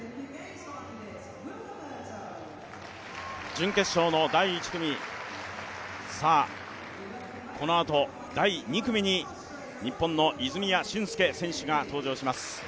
準決勝の第１組、このあと第２組に日本の泉谷駿介選手が登場します。